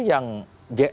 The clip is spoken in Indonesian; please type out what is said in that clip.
yang js itu